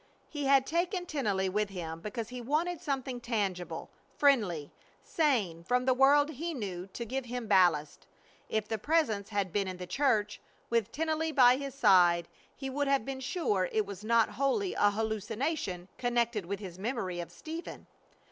He had taken Tennelly with him because he wanted something tangible, friendly, sane, from the world he knew, to give him ballast. If the Presence had been in the church, with Tennelly by his side, he would have been sure it was not wholly a hallucination connected with his memory of Stephen.